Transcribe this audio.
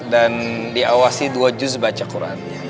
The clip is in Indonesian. dan diawasi dua juz baca qurannya